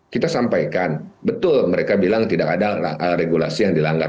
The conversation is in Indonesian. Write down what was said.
kita sampaikan betul mereka bilang tidak ada regulasi yang dilanggar